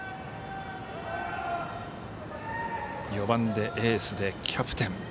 ４番でエースでキャプテン。